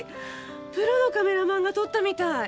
プロのカメラマンが撮ったみたい。